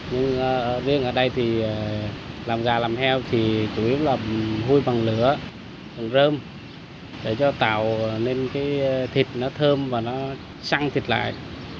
đặc biệt ở đây thì làm gà làm heo thì chủ yếu là hôi bằng lửa bằng rơm để cho tạo nên cái thịt nó thơm và nó xăng thịt lại